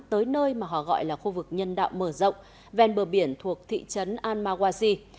tới nơi mà họ gọi là khu vực nhân đạo mở rộng ven bờ biển thuộc thị trấn al mawasi